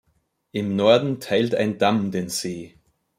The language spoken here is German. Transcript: Im Norden teilt ein Damm den See.